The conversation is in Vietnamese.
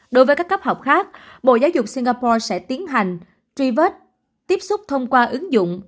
đối với các cấp học khác bộ giáo dục singapore sẽ tiến hành truy vết tiếp xúc thông qua ứng dụng